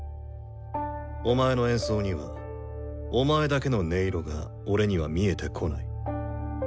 お前の演奏にはお前だけの音色が俺には見えてこない。